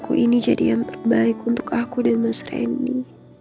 keputusan aku ini jadian terbaik untuk aku dan mas reni